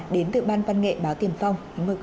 đến từ ban quân nghệ báo tiềm phong